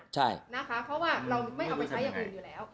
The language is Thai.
เพราะว่าเราไม่เอาไปใช้อย่างอื่นอยู่แล้ว